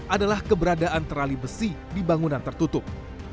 adalah keberadaan terali besi di bangunan tertutup